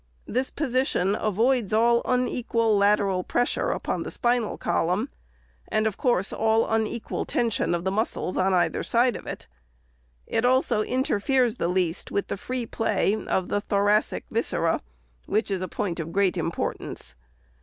This position avoids all unequal lateral pressure upon the spinal column, and of course all unequal tension of the muscles on either side of it. It also interferes least with the free play of the thoracic viscera, which is a point of great importance.